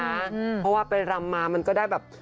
เพราะว่าไปรำมามันก็ได้แบบ